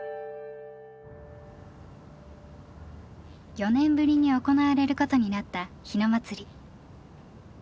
４年ぶりに行われることになった日野祭。